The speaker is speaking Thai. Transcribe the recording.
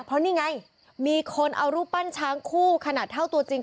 เพราะนี่ไงมีคนเอารูปปั้นช้างคู่ขนาดเท่าตัวจริง